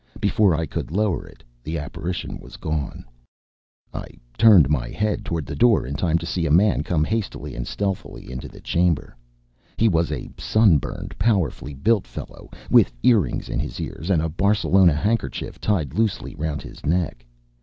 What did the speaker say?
Before I could lower it the apparition was gone. I turned my head toward the door in time to see a man come hastily and stealthily into the chamber. He was a sunburned powerfully built fellow, with earrings in his ears and a Barcelona handkerchief tied loosely round his neck.